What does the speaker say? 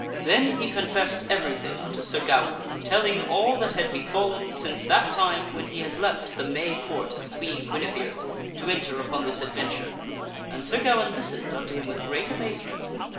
Then he confessed everything unto Sir Gawaine, telling all that had befallen since that time when he had left the May Court of Queen Guinevere to enter upon this adventure, and Sir Gawaine listened unto him with great amazement.